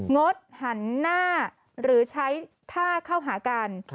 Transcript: งดหันหน้าหรือใช้ท่าเข้าหากัน